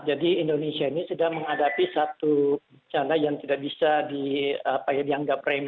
jadi indonesia ini sudah menghadapi satu cana yang tidak bisa dianggap remeh